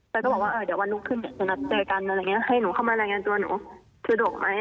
ก็บอกว่าเดี๋ยววันหนุ่มขึ้นจะรับเจอกันให้หนูเข้ามาส่วนหนูสะดวกไหม